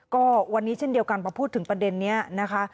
ก็วันนี้เช่นเดียวกันมาพูดถึงประเด็นนี้นะคะ